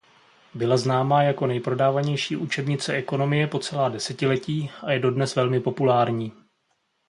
Byla známá jako nejprodávanější učebnice ekonomie po celá desetiletí a je dodnes velmi populární.